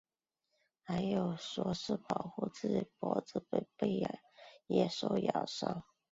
还有说是保护自己脖子不被野兽咬伤。